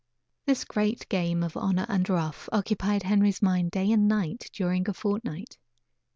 This great game of "honor and ruff" occupied Henry's mind day and night during a fortnight.